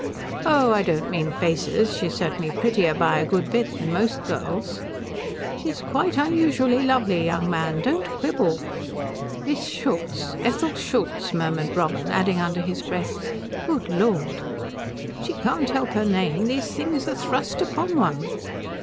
"Oh, I don't mean faces. She is certainly prettier by a good bit than most girls." "She is quite unusually lovely, young man. Don't quibble." "Miss Schultz Ethel Schultz," murmured Robin; adding under his breath, "Good Lord." "She can't help her name. These things are thrust upon one."